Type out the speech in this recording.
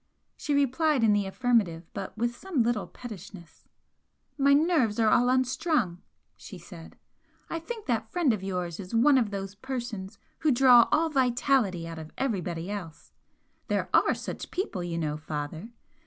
She replied in the affirmative, but with some little pettishness. "My nerves are all unstrung," she said "I think that friend of yours is one of those persons who draw all vitality out of everybody else. There are such people, you know, father!